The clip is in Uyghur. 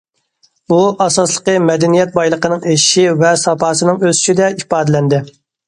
بۇ، ئاساسلىقى، مەدەنىيەت بايلىقىنىڭ ئېشىشى ۋە ساپاسىنىڭ ئۆسۈشىدە ئىپادىلەندى.